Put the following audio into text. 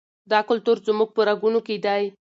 دا کلتور زموږ په رګونو کې دی.